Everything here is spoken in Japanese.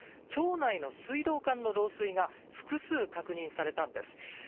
町内の水道管の漏水が複数確認されたんです。